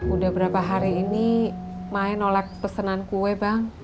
udah berapa hari ini may nolek pesenan kue bang